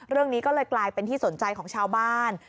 เรื่องนี้ก็เลยกลายเป็นที่สนใจของชาวบ้าน